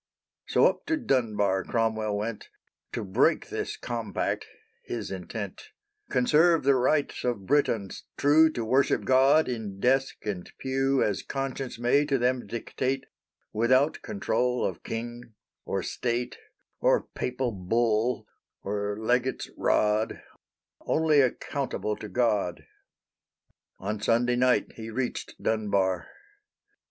So up to Dunbar Cromwell went; To break this compact his intent, Conserve the rights of Britons true To worship God in desk and pew As conscience may to them dictate, Without control of king, or state, Or Papal "bull," or legate's rod Only accountable to God. On Sunday night he reached Dunbar.